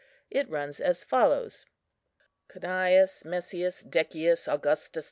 It runs as follows:— "Cneius Messius Decius Augustus II.